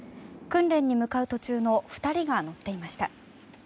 訓練に向かう途中の２人が乗っていました。